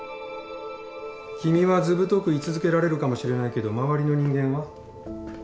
君はずぶとく居続けられるかもしれないけど周りの人間は？